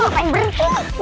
kamu ngapain berkut